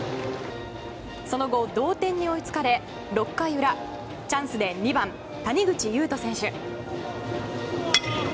その後、同点に追いつかれ６回裏チャンスで２番、谷口勇人選手。